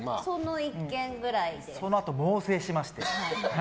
そのあと、猛省しまして。